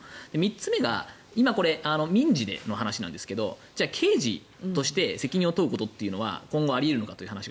３つ目が、今これ民事での話なんですけど刑事として責任を問うことは今後あり得るのかと。